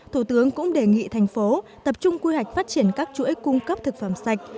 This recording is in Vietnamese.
thủ tướng cũng đề nghị thành phố tập trung quy hoạch phát triển các chuỗi cung cấp thực phẩm sạch